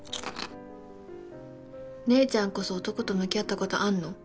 姉ちゃんこそ男と向き合ったことあんの？